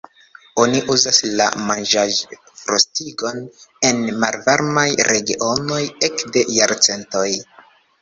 Oni uzas la manĝaĵ-frostigon en malvarmaj regionoj ekde jarcentoj.